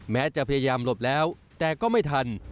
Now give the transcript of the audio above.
แม้จะพยายามหลบแล้วแต่ก็ไม่ทัน